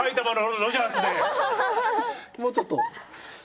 もうちょっと。